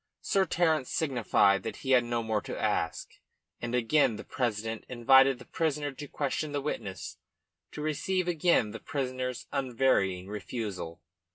Sir Terence signified that he had no more to ask, and again the president invited the prisoner to question the witness, to receive again the prisoner's unvarying refusal.